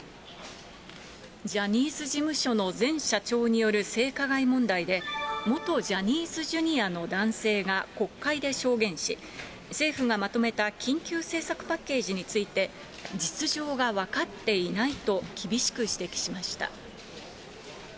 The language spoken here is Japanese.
ジャニーズ事務所の前社長による性加害問題で、元ジャニーズＪｒ．の男性が国会で証言し、政府がまとめた緊急政策パッケージについて、実情が分かっていないと厳しく指摘しました。